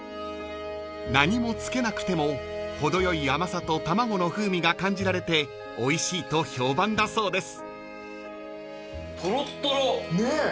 ［何もつけなくても程よい甘さと卵の風味が感じられておいしいと評判だそうです］